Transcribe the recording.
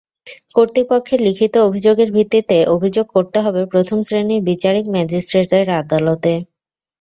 কর্তৃপক্ষের লিখিত অভিযোগের ভিত্তিতে অভিযোগ করতে হবে প্রথম শ্রেণির বিচারিক ম্যাজিস্ট্রেটের আদালতে।